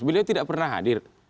beliau tidak pernah hadir